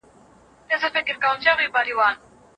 د الوتنې هر پړاو ښه و.